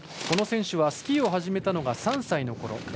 この選手はスキーを始めたのが３歳のころ。